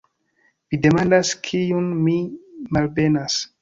Vi demandas, kiun mi malbenas!